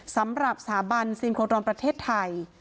สำหรับสถาบันซิงโครดอนประเทศไทย